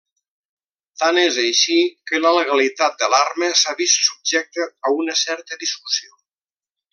Tant és així que la legalitat de l'arma s'ha vist subjecta a una certa discussió.